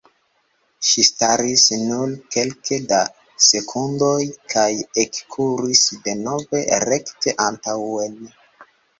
Ŝi staris nur kelke da sekundoj kaj ekkuris denove rekte antaŭen.